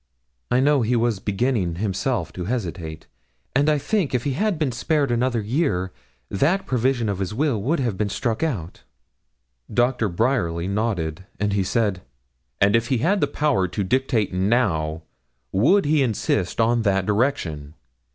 I know he was beginning himself to hesitate; and I think if he had been spared another year that provision of his will would have been struck out.' Doctor Bryerly nodded, and he said 'And if he had the power to dictate now, would he insist on that direction?